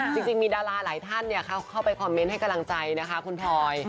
จริงมีดาราหลายท่านเข้าไปคอมเมนต์ให้กำลังใจนะคะคุณพลอย